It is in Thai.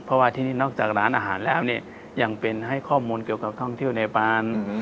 เพราะว่าที่นี่นอกจากร้านอาหารแล้วเนี่ยยังเป็นให้ข้อมูลเกี่ยวกับท่องเที่ยวในบ้าน